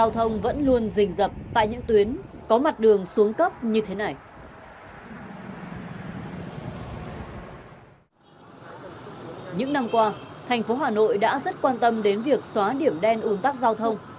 thành phố hà nội đã rất quan tâm đến việc xóa điểm đen ủn tắc giao thông